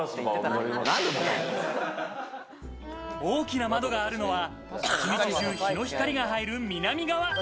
大きな窓があるのは、日の光が入る南側。